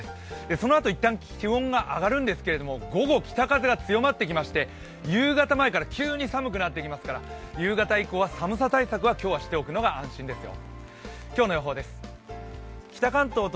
そのあといったん気温が上がるんですけど午後北風が強まってきまして夕方前から急に寒くなってきますから夕方以降は寒さ対策は今日はしておくのが安心ですよ。